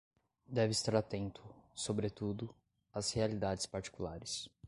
deve estar atento, sobretudo, às realidades particulares